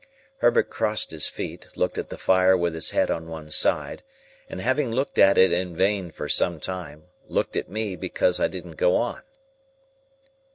Herbert crossed his feet, looked at the fire with his head on one side, and having looked at it in vain for some time, looked at me because I didn't go on.